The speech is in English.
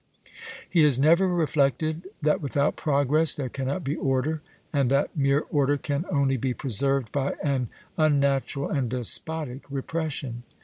He has never reflected that without progress there cannot be order, and that mere order can only be preserved by an unnatural and despotic repression.